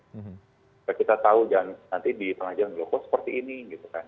supaya kita tahu dan nanti di pengajaran blog kok seperti ini gitu kan